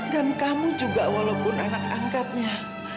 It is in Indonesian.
dan kamu juga walaupun anak angkatnya